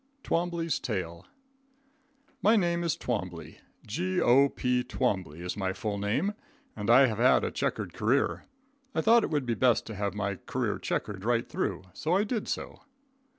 Twombley's Tale. My name is Twombley, G.O.P. Twombley is my full name and I have had a checkered career. I thought it would be best to have my career checked right through, so I did so.